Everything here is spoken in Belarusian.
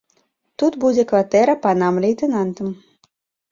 Тут будзе кватэра панам лейтэнантам.